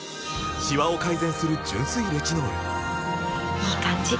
いい感じ！